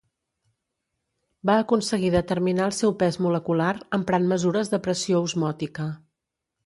Va aconseguir determinar el seu pes molecular emprant mesures de pressió osmòtica.